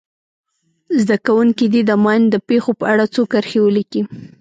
زده کوونکي دې د ماین د پېښو په اړه څو کرښې ولیکي.